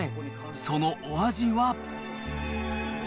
そのお味は？